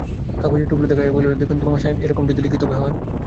কাগজের টুকরা দেখাইয়া বলিল, দেখুন তো মশাই পড়ে, এই রকম যদি লিখি তবে হয়?